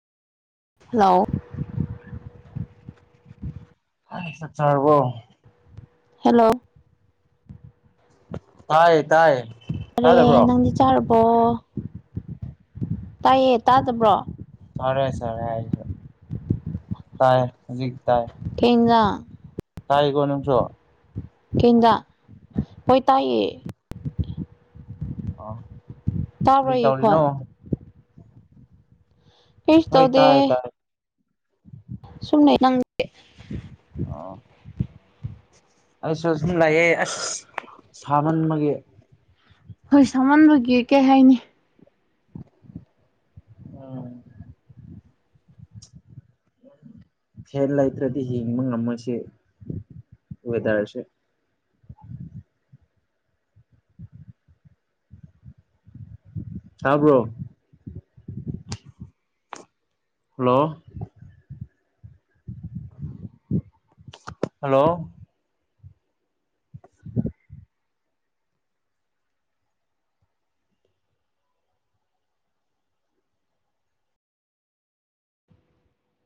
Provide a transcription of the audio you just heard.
ꯍꯂꯣꯑꯣ ꯆ ꯆꯔꯔꯕꯣ ꯍꯦꯜꯂꯣ ꯊ ꯑꯔꯦ ꯅꯪꯗꯤ ꯆꯥꯔꯕꯣ ꯇꯥꯏꯌꯦ ꯇꯥꯗꯕ꯭ꯔꯣ ꯆꯔꯦ ꯆꯔꯦ ꯇꯥꯏ ꯍꯧꯖꯤ ꯀꯗ ꯀꯥꯏꯒꯣꯟꯅꯁꯨꯣ ꯀꯖ ꯄꯣꯏ ꯇꯥꯏꯌꯦ ꯑꯥ ꯇꯥꯔꯌꯦ ꯈꯣ ꯍ ꯍꯣꯏ ꯇꯧꯗꯦ ꯇꯥꯏ [inaudible] ꯁꯨꯡꯅ ꯅꯪꯦ ꯑꯥ ꯑꯩꯁꯨ ꯁꯨꯝ ꯂꯥꯛꯑꯦ ꯑꯁ ꯁꯥꯃꯟꯕꯒꯤ ꯍꯣꯏ ꯁꯃꯟꯕꯒꯤ ꯀꯩ ꯍꯥꯏꯅꯤ ꯎꯝ ꯑ ꯐꯦꯟ ꯂꯩꯇ꯭ꯔꯗꯤ ꯍꯤꯡꯕ ꯉꯝꯃꯁꯦ ꯑꯣꯏꯗꯔꯁꯦ ꯑ ꯑꯕ꯭ꯔꯣ ꯍꯂꯣ ꯍꯜꯂꯣ [unintelligible]